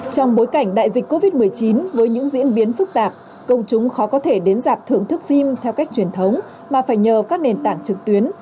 trong bối cảnh đại dịch covid một mươi chín với những diễn biến phức tạp công chúng khó có thể đến dạp thưởng thức phim theo cách truyền thống mà phải nhờ các nền tảng trực tuyến